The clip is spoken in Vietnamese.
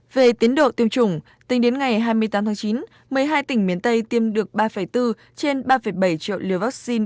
về tiến độ tiêm chủng tính đến ngày hai mươi tám tháng chín một mươi hai tỉnh miền tây tiêm được ba bốn trên ba bảy triệu liều vaccine